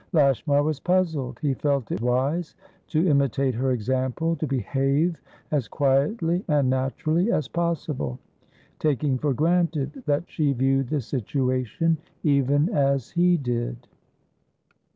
Lashmar was puzzled; he felt it wise to imitate her example, to behave as quietly and naturally as possible, taking for granted that she viewed the situation even as he did.